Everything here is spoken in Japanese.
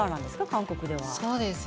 韓国では。